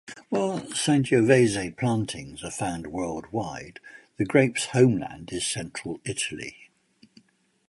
While Sangiovese plantings are found worldwide, the grape's homeland is central Italy.